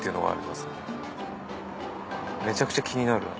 めちゃくちゃ気になる。